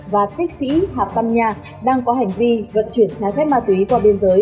và thích sĩ hạp tân nha đang có hành vi vận chuyển trái khép ma túy qua biên giới